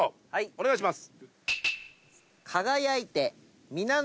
お願いします。